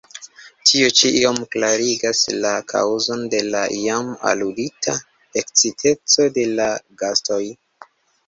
Tio ĉi iom klarigas la kaŭzon de la jam aludita eksciteco de la gastoj!